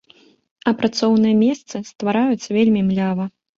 А працоўныя месцы ствараюцца вельмі млява.